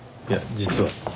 いや実は。